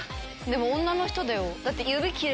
でも女の人だよ。